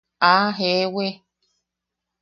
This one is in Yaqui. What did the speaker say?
¡Ah, jewi!